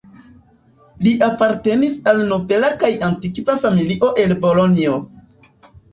Li apartenis al nobela kaj antikva familio el Bolonjo.